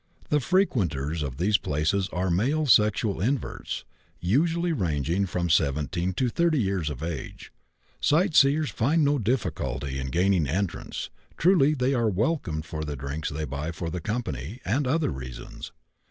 The frequenters of these places are male sexual inverts (usually ranging from 17 to 30 years of age); sightseers find no difficulty in gaining entrance; truly, they are welcomed for the drinks they buy for the company and other reasons.